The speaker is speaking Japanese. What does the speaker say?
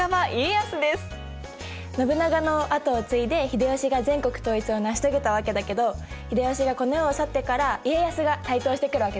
信長の後を継いで秀吉が全国統一を成し遂げたわけだけど秀吉がこの世を去ってから家康が台頭してくるわけだよね。